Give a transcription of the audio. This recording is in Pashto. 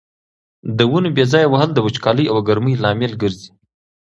د ونو بې ځایه وهل د وچکالۍ او ګرمۍ لامل ګرځي.